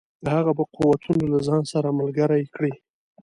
هغه به قوتونه له ځان سره ملګري کړي.